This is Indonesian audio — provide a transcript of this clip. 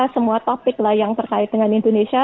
semua topik lah yang terkait dengan indonesia